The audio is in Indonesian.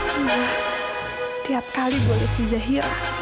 wah tiap kali gue liat si zahira